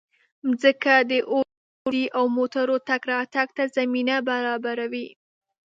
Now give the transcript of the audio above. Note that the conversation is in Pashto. مځکه د اورګاډي او موټرو تګ راتګ ته زمینه برابروي.